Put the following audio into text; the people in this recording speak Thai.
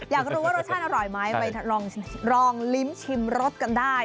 อยากรู้ว่ารสชาติอร่อยไหมไปลองลิ้มชิมรสกันได้